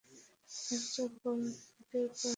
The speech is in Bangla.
একটা কল দিতে পারোনি?